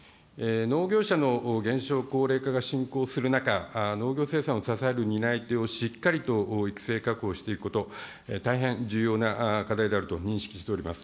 農業者の減少、高齢化が進行する中、農業生産を支える担い手をしっかりと育成、確保していくこと、大変重要な課題であると認識しております。